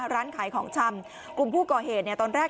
ร้านขายของชำงุมผู้ก่อเหตุตอนแรก